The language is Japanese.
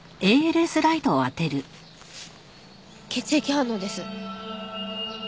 血液反応です。